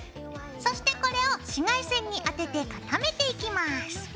そしてこれを紫外線に当てて固めていきます。